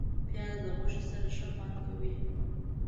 پیاز د غوښې سره ښه خوند کوي